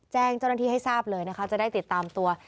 แจ้งเจ้าหน้าที่ให้ทราบเลยนะคะจะได้ติดตามตัว